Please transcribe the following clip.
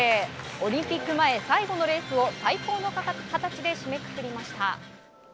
オリンピック前、最後のレースを最高の形で締めくくりました。